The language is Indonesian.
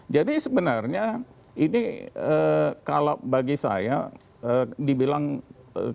jadi sebenarnya ini kalau bagi saya dibilang ketidakpercayaan enggak